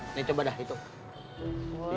ini coba dah hitung